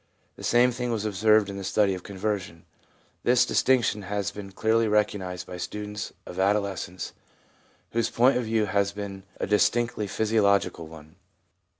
The same thing was observed in the study of conversion. This distinction has been clearly recognised by students of adolescence whose point of view has been a distinctly physiological one.